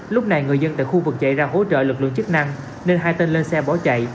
lúc này người dân tại khu vực chạy ra hỗ trợ lực lượng chức năng nên hai tên lên xe bỏ chạy